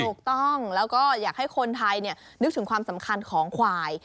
ถูกต้องแล้วก็อยากให้คนไทยนึกถึงความสำคัญของควาย